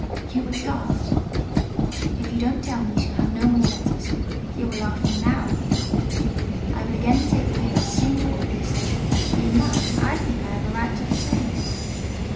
"You would laugh—?" "If you don't tell me you shall have no more letters." "You are laughing now." "I will again take away that single epistle: being mine, I think I have a right to reclaim it."